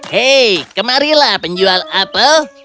hei kemarilah penjual apel